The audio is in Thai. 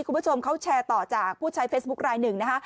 คุณผู้ชมเขาแชร์ต่อจากผู้ใช้เฟซบุ๊คลายหนึ่งนะคะ